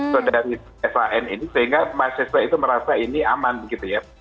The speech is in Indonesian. sodaris s a n ini sehingga mahasiswa itu merasa ini aman gitu ya